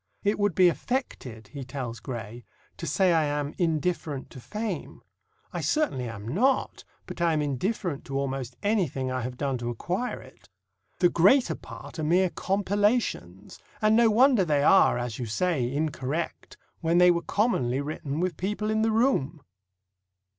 "It would be affected," he tells Gray, "to say I am indifferent to fame. I certainly am not, but I am indifferent to almost anything I have done to acquire it. The greater part are mere compilations; and no wonder they are, as you say, incorrect when they were commonly written with people in the room."